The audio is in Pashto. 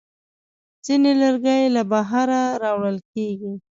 ځینې لرګي له بهره راوړل کېږي.